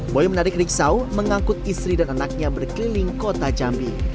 boy menarik riksau mengangkut istri dan anaknya berkeliling kota jambi